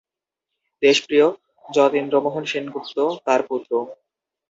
দেশপ্রিয় যতীন্দ্রমোহন সেনগুপ্ত তার পুত্র।